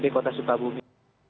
di kota sukabumi